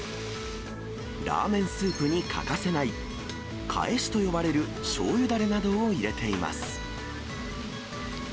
ラーメンスープに欠かせない、かえしと呼ばれるしょうゆだれなどを入れています。